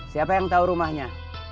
siapa yang tau rumahnya